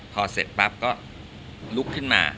พอเสร็จปั๊บก็ลุกขึ้นมา